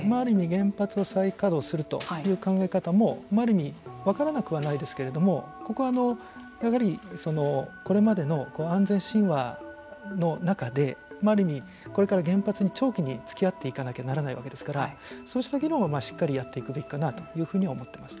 原発を再可動するという考え方もある意味分からなくはないですけれどもここはやはりこれまでの安全神話の中である意味これから原発に長期につきあっていかなきゃならないわけですからそうした議論はしっかりやっていくべきかなというふうには思っています。